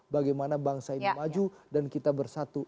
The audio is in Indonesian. bagaimana bangsa ini maju dan kita bersatu